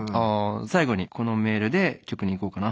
最後にこのメールで曲に行こうかな。